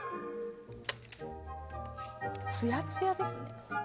ツヤツヤですね。